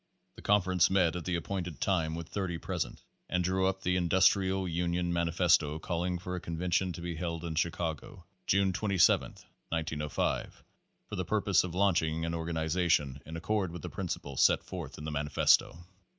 The conference met at the appointed time with Page Three thirty present, and drew up the Industrial Union Man ifesto calling for a convention to be held in Chicago, June 27, 1905, for the purpose of launching an organi zation in accord with the principles set forth in the Manifesto.